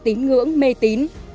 tín ngưỡng mê tín